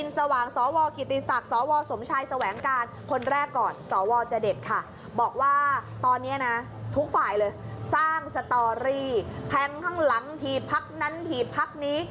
ต่อนี้ทุกฝ่ายเลยสร้างสตอรี่แพงข้างหลังทีพักนั้นทีพักนี้